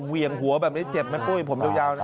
เวียงหัวแบบนี้เจ็บมาก้วยผมไม่รู้ยาวนะ